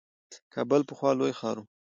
کابل پخوا لوی ښار وو.